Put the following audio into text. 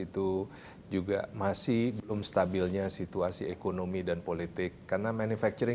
terus tertera indonesia sama ukuran klilde